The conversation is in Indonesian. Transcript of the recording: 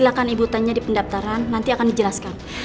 silakan ibu tanya di pendaftaran nanti akan dijelaskan